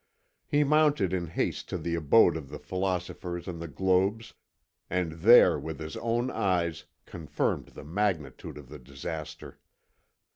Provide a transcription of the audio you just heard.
He mounted in haste to the abode of the philosophers and the globes, and there with his own eyes confirmed the magnitude of the disaster.